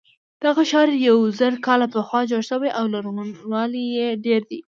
دغه ښار یو زر کاله پخوا جوړ شوی او لرغونوالی یې ډېر دی.